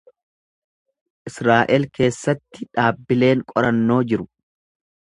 Israa’el keessatti dhaabbileen qorannoo jiru.